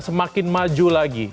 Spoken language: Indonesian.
semakin maju lagi